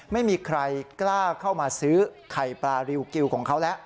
ไม่มีใครกล้าเข้ามาซื้อไข่ปลาริวกิวของเขาแล้ว